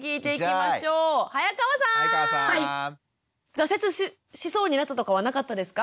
挫折しそうになったとかはなかったですか？